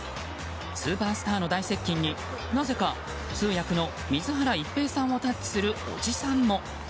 スーパースターの大接近になぜか通訳の水原一平さんをタッチするおじさんも。